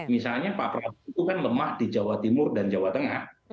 karena pak prabowo itu kan lemah di jawa timur dan jawa tengah